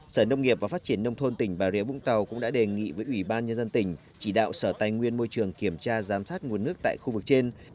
sở nông nghiệp và phát triển nông thôn tỉnh bà rịa vũng tàu cũng đã đề nghị với ủy ban nhân dân tỉnh chỉ đạo sở tài nguyên môi trường kiểm tra giám sát nguồn nước tại khu vực trên